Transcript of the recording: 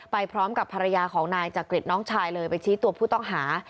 ไปพร้อมกับภรรยาของนายจักริตน้องชายเลยไปชี้ตัวผู้ต้องหา